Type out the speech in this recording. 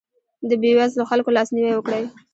د بېوزلو خلکو لاسنیوی وکړئ.